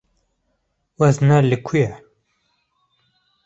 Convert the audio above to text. Wezne li ku ye?